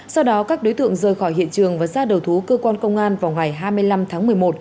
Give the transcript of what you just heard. sau đó các đối tượng rời khỏi hiện trường và ra đầu thú cơ quan công an vào ngày hai mươi năm tháng một mươi một